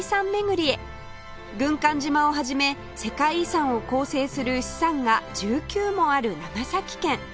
軍艦島を始め世界遺産を構成する資産が１９もある長崎県